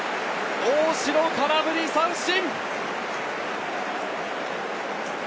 大城、空振り三振。